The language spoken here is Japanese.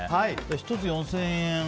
１つ４０００円